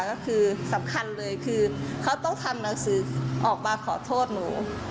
ก็คือสำคัญเลยคือเขาต้องทำหนังสือออกมาขอโทษหนู